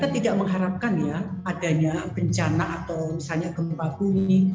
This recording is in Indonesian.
kita tidak mengharapkan ya adanya bencana atau misalnya gempa bumi